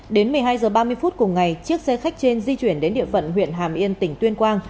đến một mươi hai h ba mươi phút cùng ngày chiếc xe khách trên di chuyển đến địa phận huyện hàm yên tỉnh tuyên quang